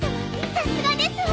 さすがですわ。